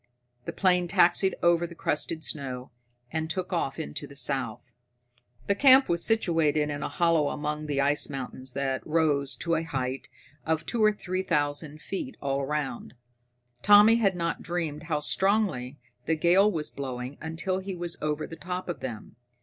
The plane taxied over the crusted snow, and took off into the south. The camp was situated in a hollow among the ice mountains that rose to a height of two or three thousand feet all around. Tommy had not dreamed how strongly the gale was blowing until he was over the top of them.